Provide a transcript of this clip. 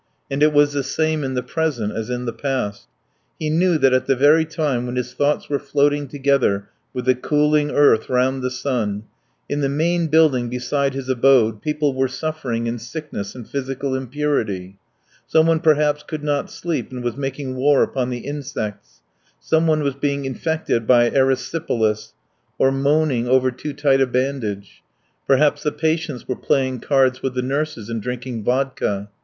And it was the same in the present as in the past. He knew that at the very time when his thoughts were floating together with the cooling earth round the sun, in the main building beside his abode people were suffering in sickness and physical impurity: someone perhaps could not sleep and was making war upon the insects, someone was being infected by erysipelas, or moaning over too tight a bandage; perhaps the patients were playing cards with the nurses and drinking vodka.